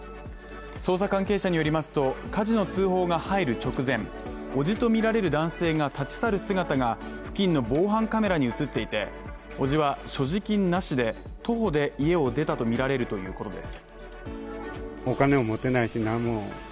捜査関係者によりますと火事の通報が入る直前、伯父とみられる男性が立ち去る姿が付近の防犯カメラに映っていて、叔父は、所持金なしで徒歩で家を出たとみられるということです。